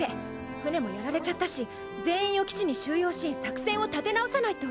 船もやられちゃったし全員を基地に収容し作戦を立て直さないと。